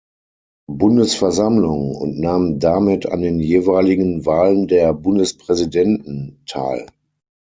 Bundesversammlung und nahm damit an den jeweiligen Wahlen der Bundespräsidenten teil.